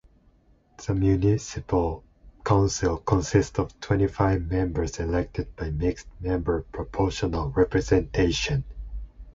The municipal council consists of twenty-five members elected by mixed-member proportional representation.